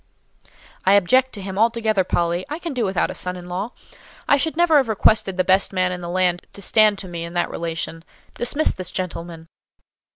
"I object to him altogether, Polly; I can do without a son in law. I should never have requested the best man in the land to stand to me in that relation. Dismiss this gentleman."